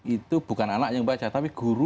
itu bukan anak yang baca tapi guru